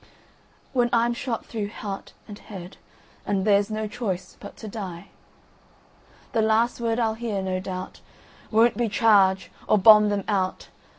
…"When I'm shot through heart and head, And there's no choice but to die, The last word I'll hear, no doubt, Won't be "Charge!" or "Bomb them out!"